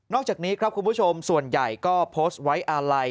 อกจากนี้ครับคุณผู้ชมส่วนใหญ่ก็โพสต์ไว้อาลัย